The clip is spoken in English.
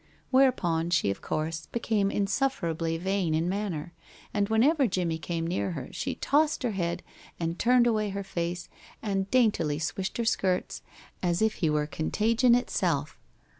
Whereupon she of course became insufferably vain in manner, and whenever Jimmie came near her she tossed her head and turned away her face, and daintily swished her skirts as if he were contagion itself.